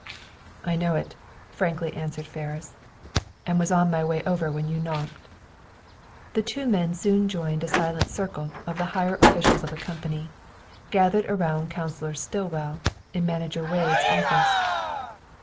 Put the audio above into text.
"I know it," frankly answered Ferris, "and was on my way over when you knocked." The two men soon joined a silent circle of the higher officials of the company, gathered about Counsellor Stillwell, in Manager Wade's office.